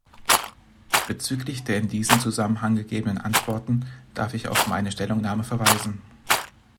Bezüglich der in diesem Zusammenhang gegebenen Antworten darf ich auf meine Stellungnahme verweisen.